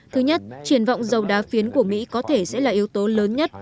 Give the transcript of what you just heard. thứ nhất triển vọng dầu đá phiến của mỹ có thể sẽ là yếu tố lớn nhất